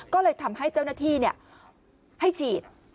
ก็เลยทำให้เจ้าหน้าที่ให้ฉีด